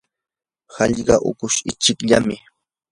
hallqa hukush ichikllam.